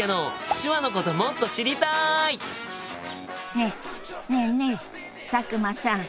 ねえねえねえ佐久間さん。